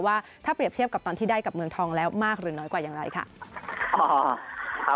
ว่าถ้าเปรียบเทียบกับตอนที่ได้กับเมืองทองแล้วมากหรือน้อยกว่าอย่างไรค่ะ